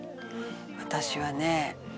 私はね